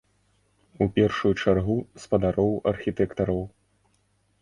У першую чаргу спадароў архітэктараў.